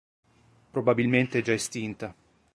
Probabilmente è già estinta.